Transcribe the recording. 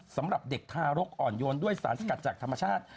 สำหรับเด็กทารกอ่อนโยนด้วยสารสกัดจากธรรมชาติ